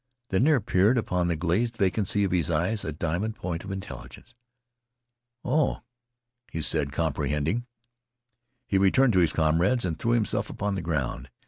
Then there appeared upon the glazed vacancy of his eyes a diamond point of intelligence. "Oh," he said, comprehending. He returned to his comrades and threw himself upon the ground.